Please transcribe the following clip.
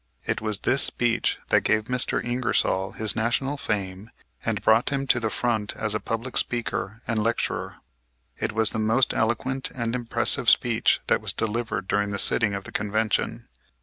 It was this speech that gave Mr. Ingersoll his national fame and brought him to the front as a public speaker and lecturer. It was the most eloquent and impressive speech that was delivered during the sitting of the Convention.